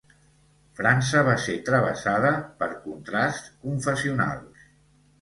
França va ser travessada per contrasts confessionals.